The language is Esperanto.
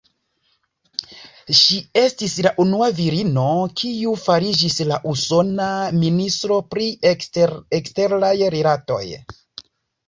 Ŝi estis la unua virino, kiu fariĝis la usona Ministro pri Eksteraj Rilatoj.